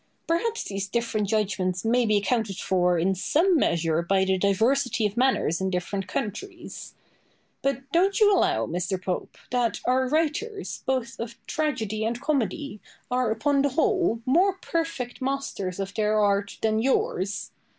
Perhaps these different judgments may be accounted for in some measure by the diversity of manners in different countries. But don't you allow, Mr. Pope, that our writers, both of tragedy and comedy, are, upon the whole, more perfect masters of their art than yours?